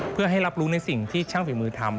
เพื่อให้รับรู้ในสิ่งที่ช่างฝีมือทำ